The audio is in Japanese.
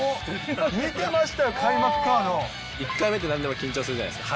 見てましたよ、１回目って、なんでも緊張するじゃないですか。